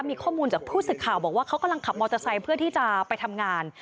มีข้อมูลจากผู้สื่อข่าวบอกว่าเขากำลังขับมอเตอร์ไซค์เพื่อที่จะไปทำงาน